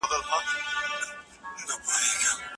د بدلون مخه څوک نه سي نیولی.